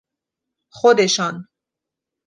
خودشان